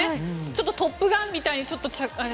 ちょっと「トップガン」みたいに。